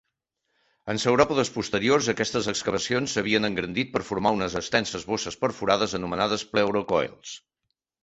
En sauròpodes posteriors, aquestes excavacions s'havien engrandit per formar unes extenses bosses perforades anomenades "pleurocoels".